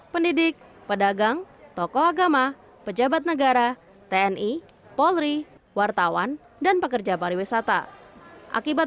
pendidik pedagang tokoh agama pejabat negara tni polri wartawan dan pekerja pariwisata akibat